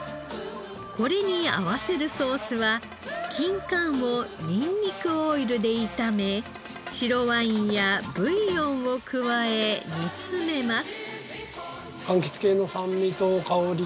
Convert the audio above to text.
これに合わせるソースは金柑をニンニクオイルで炒め白ワインやブイヨンを加え煮詰めます。